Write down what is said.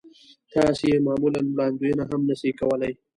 تاسې يې معمولاً وړاندوينه هم نه شئ کولای.